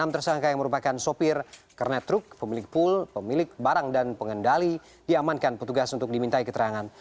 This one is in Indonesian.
enam tersangka yang merupakan sopir kernet truk pemilik pul pemilik barang dan pengendali diamankan petugas untuk dimintai keterangan